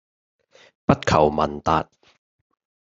不求聞達